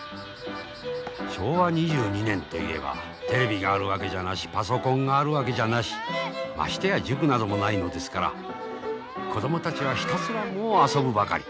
昭和２２年といえばテレビがあるわけじゃなしパソコンがあるわけじゃなしましてや塾などもないのですから子供たちはひたすらもう遊ぶばかり。